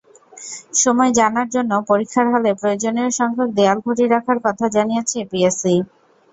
সময় জানার জন্য পরীক্ষার হলে প্রয়োজনীয়সংখ্যক দেয়াল ঘড়ি রাখার কথা জানিয়েছে পিএসসি।